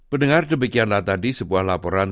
mendengar demikianlah tadi sebuah laporan